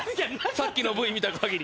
さっきのＶみた限り。